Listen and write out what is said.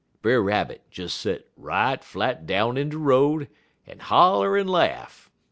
"Brer Rabbit des set right flat down in de road, en holler en laugh.